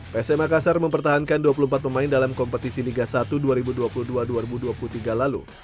psm makassar mempertahankan dua puluh empat pemain dalam kompetisi liga satu dua ribu dua puluh dua dua ribu dua puluh tiga lalu